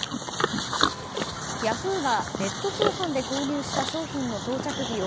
ヤフーがネット通販で購入した商品の到着を